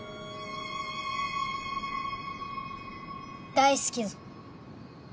大好きぞ。